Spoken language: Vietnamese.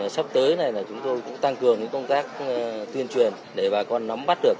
sắp tới này là chúng tôi cũng tăng cường công tác tuyên truyền để bà con nắm bắt được